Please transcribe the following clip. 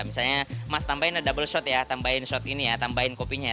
misalnya mas tambahin double shot ya tambahin shot ini ya tambahin kopinya